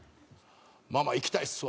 「ママいきたいっすわ」